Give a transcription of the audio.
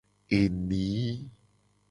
Eni.